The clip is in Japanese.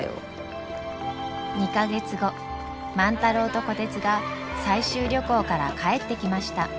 ２か月後万太郎と虎鉄が採集旅行から帰ってきました。